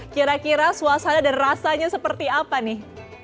kira kira suasana dan rasanya seperti apa nih